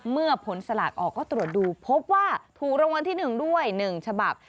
เมื่อผลสลากออกก็ตรวจดูพบว่าถูกรางวัลที่๑ด้วย๑ฉบับ